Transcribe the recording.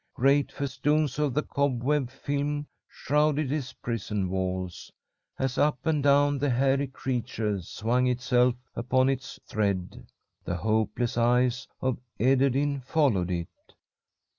Great festoons of the cobweb film shrouded his prison walls. As up and down the hairy creature swung itself upon its thread, the hopeless eyes of Ederyn followed it.